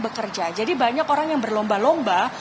bekerja jadi banyak orang yang berlomba lomba